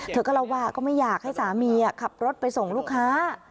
เธอก็เล่าว่าก็ไม่อยากให้สามีขับรถไปส่งลูกค้า